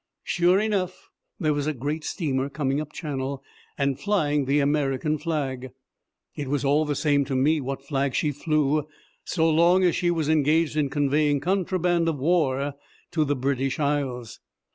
Sure enough, there was a great steamer coming up Channel and flying the American flag. It was all the same to me what flag she flew so long as she was engaged in conveying contraband of war to the British Isles.